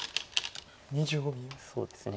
そうですね。